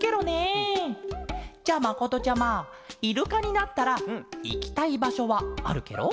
じゃあまことちゃまイルカになったらいきたいばしょはあるケロ？